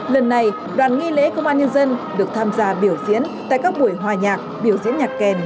lần này đoàn nghi lễ công an nhân dân được tham gia biểu diễn tại các buổi hòa nhạc biểu diễn nhạc kèn